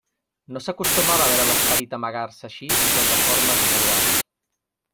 No s'acostumava a veure l'esperit amagar-se així sota formes vulgars.